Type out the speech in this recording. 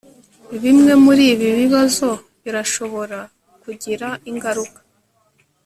Bimwe muribi bibazo birashobora kugira ingaruka